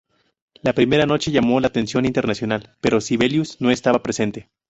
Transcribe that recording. La primera noche llamó la atención internacional, pero Sibelius no estaba presente.